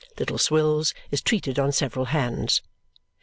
Little Swills is treated on several hands.